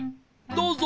どうぞ。